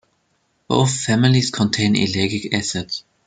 Both families contain ellagic acid.